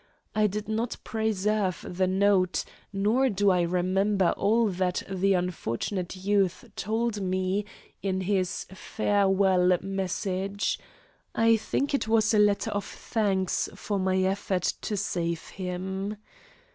I did not preserve the note, nor do I remember all that the unfortunate youth told me in his farewell message; I think it was a letter of thanks for my effort to save him.